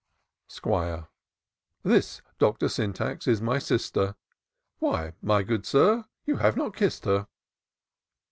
'Squire. This, Doctor Syntax, is my sister : Why, my good Sir, you have not kiss'd her.'